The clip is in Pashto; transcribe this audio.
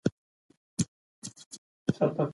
مور وویل چې زه د خپلو اولادونو لپاره اندېښنه لرم.